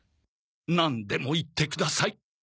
なんでも言ってください。